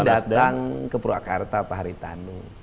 datang ke purwakarta pak haritanu